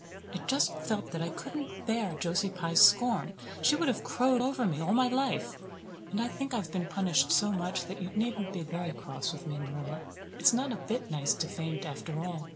I just felt that I couldn't bear Josie Pye's scorn. She would have crowed over me all my life. And I think I have been punished so much that you needn't be very cross with me, Marilla. It's not a bit nice to faint, after all.